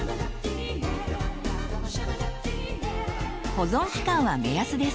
保存期間は目安です。